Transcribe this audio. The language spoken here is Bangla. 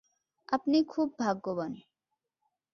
আপনি খুব ভাগ্যবান।